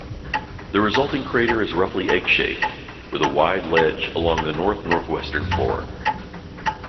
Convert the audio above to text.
The resulting crater is roughly egg-shaped, with a wide ledge along the north-northwestern floor.